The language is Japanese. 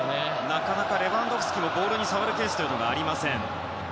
なかなかレバンドフスキがボールに触るケースがありません。